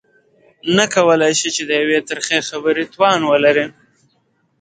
نه شي کولای چې د يوې ترخې خبرې توان ولري.